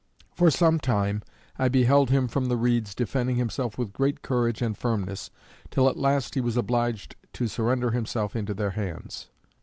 For some time, I beheld him from the reeds defending himself with great courage and firmness, till at last he was obliged to surrender himself into their hands.